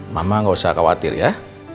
mama gak usah khawatir ya